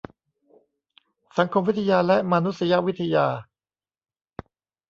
สังคมวิทยาและมานุษยวิทยา